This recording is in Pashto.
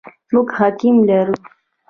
موږ حکیم لرو ؟